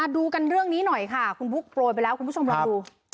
ดูกันเรื่องนี้หน่อยค่ะคุณบุ๊คโปรยไปแล้วคุณผู้ชมลองดู